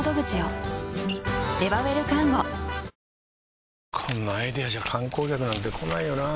トーンアップ出たこんなアイデアじゃ観光客なんて来ないよなあ